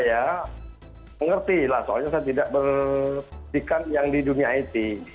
ya mengerti lah soalnya saya tidak bersihkan yang di dunia ini